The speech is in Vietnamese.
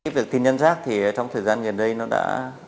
việc tin nhân rác thì trong thời gian gần đây nó đã